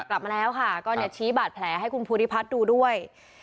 กลับมาแล้วก็จะชี้บาดแผลให้คุณภูติภัทรดูด้วย